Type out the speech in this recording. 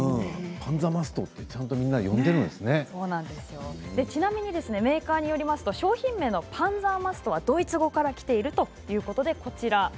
パンザマストってみんなちゃんとちなみにメーカーによりますと商品名のパンザーマストはドイツ語からきているそうです。